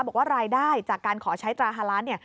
บอกว่ารายได้จากการขอใช้ตราฮาล้าน